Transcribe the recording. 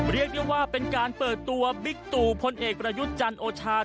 เรียกได้ว่าเป็นการเปิดตัวบิ๊กตู่พลเอกประยุทธ์จันทร์โอชา